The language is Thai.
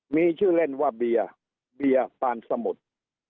มีชื่อเล่นว่าเบียร์เบียร์ปานสมุทร